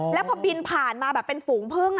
แล้วพอบินผ่านมาแบบเป็นฝูงพึ่ง